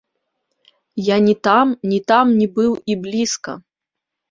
Я ні там, ні там не быў і блізка!